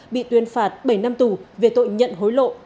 bị tuyên phạt bảy năm tù về tội nhận hối lộ